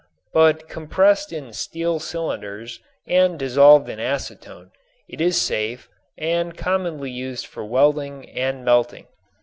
But compressed in steel cylinders and dissolved in acetone, it is safe and commonly used for welding and melting.